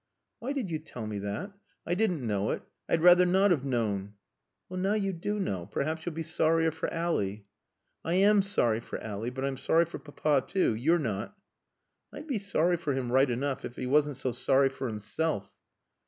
"Why did you tell me that? I didn't know it. I'd rather not have known." "Well, now you do know, perhaps you'll be sorrier for Ally." "I am sorry for Ally. But I'm sorry for Papa, too. You're not." "I'd be sorry for him right enough if he wasn't so sorry for himself."